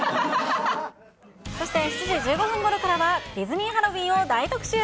そして７時１５分ごろからは、ディズニーハロウィーンを大特集。